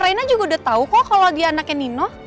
reina juga udah tau kok kalau dia anaknya nino